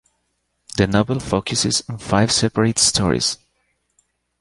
The novel focuses on five separate stories.